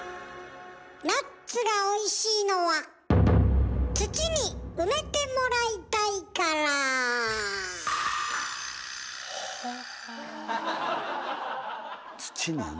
ナッツがおいしいのは土に埋めてもらいたいから。ははぁ。